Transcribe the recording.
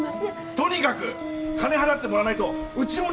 ・とにかく金払ってもらわないとうちもね